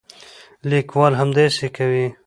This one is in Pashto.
لیکوال همداسې کوي.